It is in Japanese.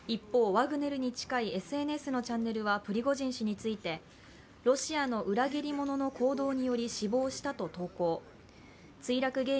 一方、ワグネルに近いＳＮＳのチャンネルはプリゴジン氏についてロシアの裏切り者の行動により死亡したと投稿。